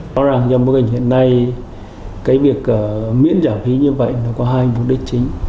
nói rằng trong bức ảnh hiện nay cái việc miễn giảm phí như vậy nó có hai mục đích chính